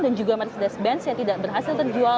dan juga mercedes benz yang tidak berhasil terjual